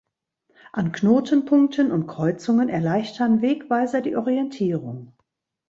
An Knotenpunkten und Kreuzungen erleichtern Wegweiser die Orientierung.